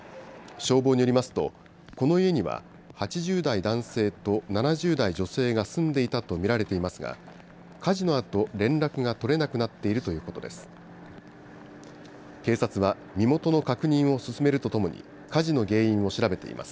消防によりますと、この家には、８０代男性と７０代女性が住んでいたと見られていますが、火事のあと、連絡が取れなくなっているということです。